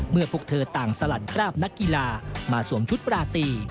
เมื่อพวกเธอต่างสลัดคราบนักกีฬามาสวมชุดประติ